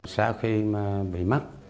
sau khi bị mất